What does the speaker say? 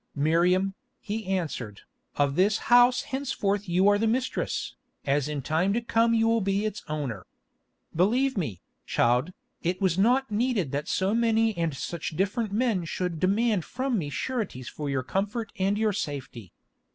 "Miriam," he answered, "of this house henceforth you are the mistress, as in time to come you will be its owner. Believe me, child, it was not needed that so many and such different men should demand from me sureties for your comfort and your safety.